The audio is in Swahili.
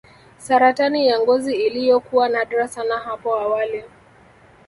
Saratani ya ngozi iliyokuwa nadra sana hapo awali